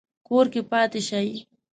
کور کې پاتې شئ